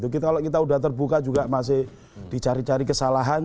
kalau kita sudah terbuka juga masih dicari cari kesalahan